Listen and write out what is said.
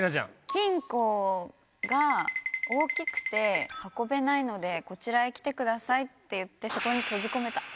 金庫が大きくて運べないので「こちらへ来てください」ってそこに閉じ込めた。